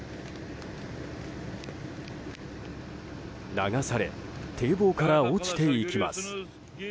流され堤防から落ちていきます。